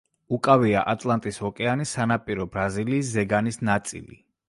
უკავია ატლანტის ოკეანის სანაპირო ბრაზილიის ზეგანის ნაწილი.